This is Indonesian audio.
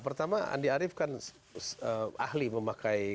pertama andi arief kan ahli memakai